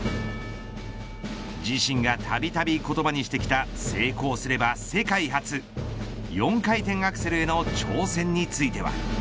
自身がたびたび言葉にしてきた成功すれば世界初４回転アクセルへの挑戦については。